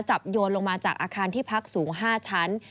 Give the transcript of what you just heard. โยนลงมาจากอาคารที่พักสูง๕ชั้น